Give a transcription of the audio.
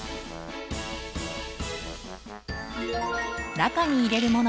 中に入れるもの。